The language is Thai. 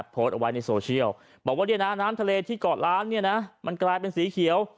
โพสต์เอาไว้ในโซเชียลบอกว่าน้ำทะเลที่เกาะล้านมันกลายเป็นสีเขียว